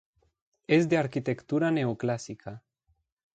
Es de arquitectura neoclásica.